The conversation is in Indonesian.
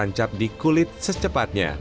dan menancap di kulit secepatnya